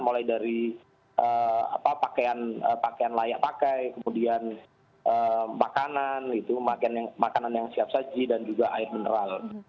mulai dari pakaian layak pakai kemudian makanan yang siap saji dan juga air mineral